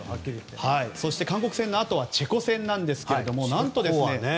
そして、韓国戦のあとはチェコ戦ですがチェコは何と。